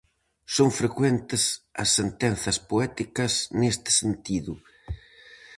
Son frecuentes as sentenzas poéticas neste sentido.